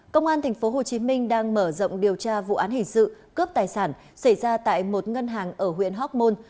công an tp hcm đang mở rộng điều tra vụ án hình sự cướp tài sản xảy ra tại một ngân hàng ở huyện hóc môn